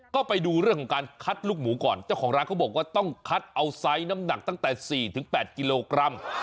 ก็ไปดูเรื่องของการคัดลูกหมูก่อนเจ้าของร้านเขาบอกว่าต้องคัดเอาไซส์น้ำหนักตั้งแต่๔๘กิโลกรัม